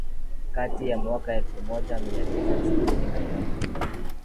kati ya mwaka elfu moja mia tisa sitini na tatu